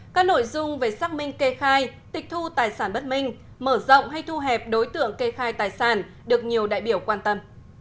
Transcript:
các nội dung về xác minh kê khai tịch thu tài sản bất minh mở rộng hay thu hẹp đối tượng kê khai tài sản được nhiều đại biểu quan tâm